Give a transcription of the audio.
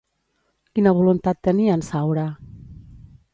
Quina voluntat tenia en Saura?